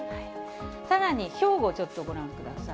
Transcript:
さらに兵庫、ちょっとご覧ください。